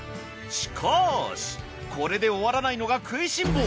しかしこれで終わらないのがくいしん坊！